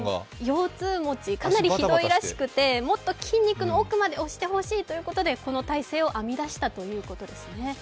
腰痛持ち、かなりひどいらしくてもっと筋肉の奥まで押してほしいということで、この体勢を編み出したらしいですね。